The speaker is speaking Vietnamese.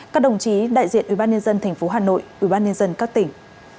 các đồng chí đại diện ủy ban nhân dân tp hà nội ủy ban nhân dân các tỉnh